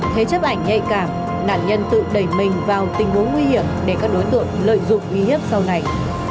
thế chấp ảnh nhạy cảm nạn nhân tự đẩy mình vào tình huống nguy hiểm để các đối tượng lợi dụng uy hiếp sau này